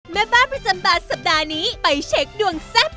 แม่บ้านประจำบานสัปดาห์นี้ไปเช็คดวงแซ่บ